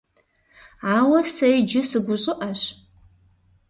Ауэ сэ иджы сыгущӀыӀэщ.